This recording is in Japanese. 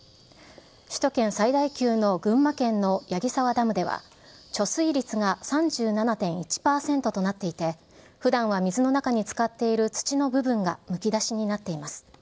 首都圏最大級の群馬県の矢木沢ダムでは、貯水率が３７．１％となっていて、ふだんは水の中につかっている土の部分がむき出しになっています。